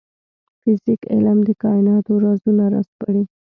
فزیک علم د کایناتو رازونه راسپړي